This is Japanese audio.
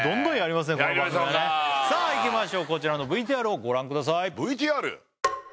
もうさあいきましょうこちらのＶＴＲをご覧くださいＶＴＲ！？